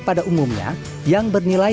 pada umumnya yang bernilai